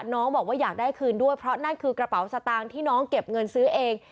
น้องบอกว่าอยากได้คืนด้วยเพราะนั่นคือกระเป๋าสตางค์ที่น้องเก็บเงินซื้อเอง